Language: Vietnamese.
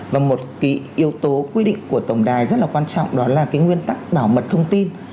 và một cái yếu tố quy định của tổng đài rất là quan trọng đó là cái nguyên tắc bảo mật thông tin